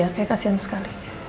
kayaknya kasian sekali